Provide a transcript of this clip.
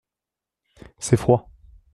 C’est froid.